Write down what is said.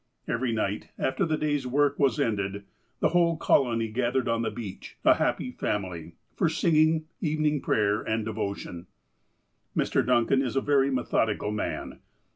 Every night, after the day's work was ended, the whole colony gathered on the beach, a happy family, for sing ing, evening fjrayer, and devotion. Mr. Duncan is a very methodical man.